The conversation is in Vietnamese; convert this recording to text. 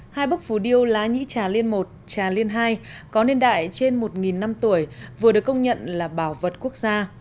hai bức phù điêu lá nhĩ trà liên i trà liên ii có nền đại trên một năm tuổi vừa được công nhận là bảo vật quốc gia